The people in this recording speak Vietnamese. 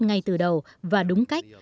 ngay từ đầu và đúng cách